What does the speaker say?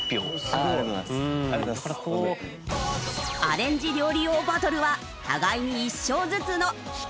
アレンジ料理王バトルは互いに１勝ずつの引き分け！